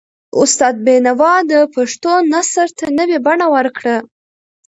استاد بینوا د پښتو نثر ته نوي بڼه ورکړه.